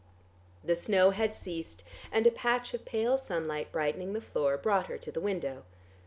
The snow had ceased, and a patch of pale sunlight brightening the floor brought her to the window.